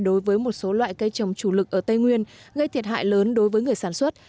đối với một số loại cây trồng chủ lực ở tây nguyên gây thiệt hại lớn đối với người sản xuất